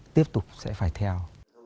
tiếp tục sẽ phải theo